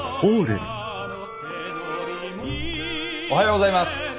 おはようございます。